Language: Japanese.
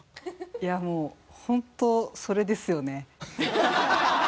いやもう本当それですよね。